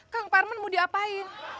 kang parman mau diapain